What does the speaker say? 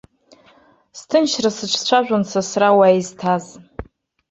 Сҭынчра сыҿцәажәон сасра уа исҭаз.